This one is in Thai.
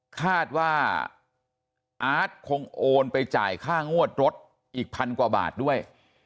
คาดว่าอาร์ตคงโอนไปจ่ายค่างวดรถอีกพันกว่าบาทด้วย